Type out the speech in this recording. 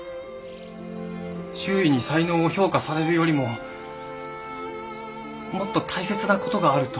周囲に才能を評価されるよりももっと大切な事があると。